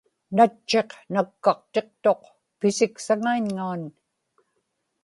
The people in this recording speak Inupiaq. natchiq nakkaqtiqtuq pisiksaŋaiñŋaan